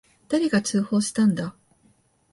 誰が通報したんだ。